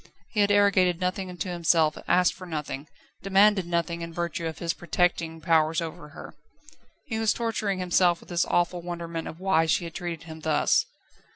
He had arrogated nothing unto himself, asked for nothing, demanded nothing in virtue of his protecting powers over her. He was torturing himself with this awful wonderment of why she had treated him thus.